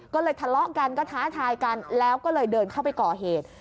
ก็เลยทะเลาะกันก็ท้าทายกันแล้วก็เลยเดินเข้าไปก่อเหตุ